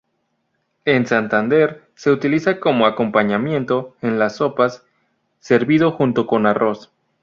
En Santander se utiliza como acompañamiento en las sopas, servido junto con arroz.